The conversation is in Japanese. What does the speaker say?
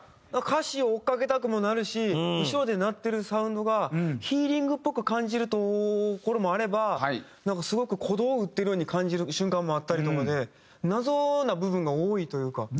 歌詞を追っ掛けたくもなるし後ろで鳴ってるサウンドがヒーリングっぽく感じるところもあればなんかすごく鼓動を打ってるように感じる瞬間もあったりとかで謎な部分が多いというか。